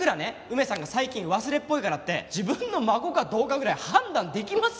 梅さんが最近忘れっぽいからって自分の孫かどうかぐらい判断できますから！